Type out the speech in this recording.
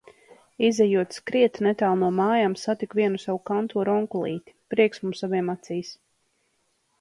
Izejot skriet, netālu no mājām, satiku vienu savu kantora onkulīti. Prieks mums abiem acīs.